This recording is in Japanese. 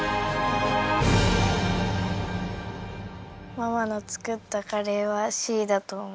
ママの作ったカレーはＣだと思います。